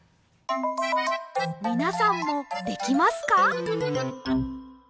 みなさんもできますか？